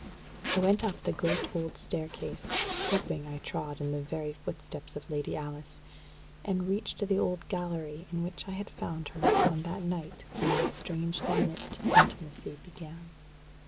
I went up the great old staircase, hoping I trod in the very footsteps of Lady Alice, and reached the old gallery in which I had found her on that night when our strangely knit intimacy began.